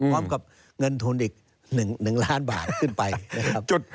พร้อมกับเงินทุนอีก๑ล้านบาทขึ้นไปนะครับ